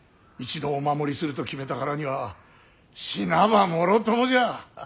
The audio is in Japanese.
一度お守りすると決めたからには死なばもろともじゃ。